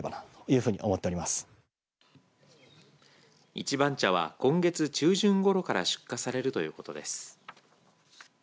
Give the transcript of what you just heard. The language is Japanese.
一番茶は今月中旬ごろから出荷されるということです。